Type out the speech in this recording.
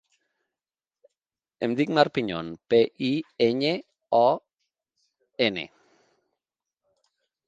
Em dic Mar Piñon: pe, i, enya, o, ena.